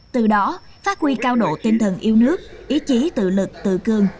từ đó phát huy cao độ tinh thần yêu nước ý chí tự lực tự cương